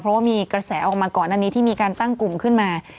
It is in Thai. เพราะว่ามีกระแสออกมาก่อนอันนี้ที่มีการตั้งกลุ่มขึ้นมา